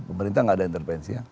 pemerintah nggak ada intervensi ya